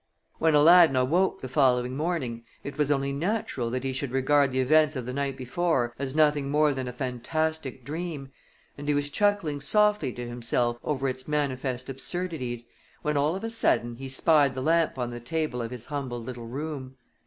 When Aladdin awoke the following morning it was only natural that he should regard the events of the night before as nothing more than a fantastic dream, and he was chuckling softly to himself over its manifest absurdities, when all of a sudden he spied the lamp on the table of his humble little room.